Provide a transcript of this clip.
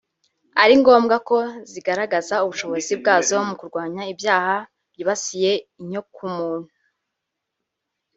ari ngombwa ko zigaragaza ubushobozi bwazo mu kurwanya ibyaha byibasiye inyokomuntu